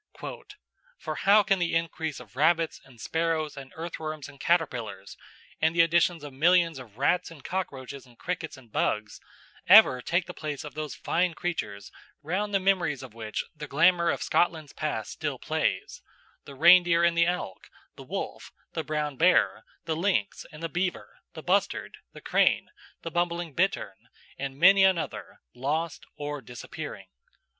"For how can the increase of Rabbits and Sparrows and Earthworms and Caterpillars, and the addition of millions of Rats and Cochroaches and Crickets and Bugs, ever take the place of those fine creatures round the memories of which the glamour of Scotland's past still plays the Reindeer and the Elk, the Wolf, the Brown Bear, the Lynx, and the Beaver, the Bustard, the Crane, the Bumbling Bittern, and many another, lost or disappearing."